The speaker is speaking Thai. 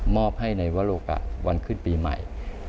อบให้ในวโลกะวันขึ้นปีใหม่